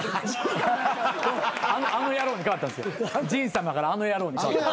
あの野郎にかわったんすよ「陣さま」から「あの野郎」に。